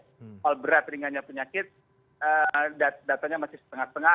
soal berat ringannya penyakit datanya masih setengah setengah